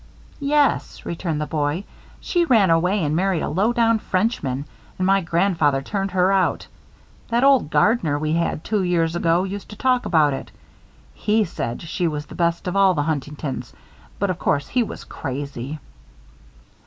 "Yes," returned the boy. "She ran away and married a low down Frenchman and my grandfather turned her out. That old gardener we had two years ago used to talk about it. He said she was the best of all the Huntingtons, but of course he was crazy."